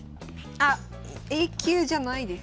あっＡ級じゃないです。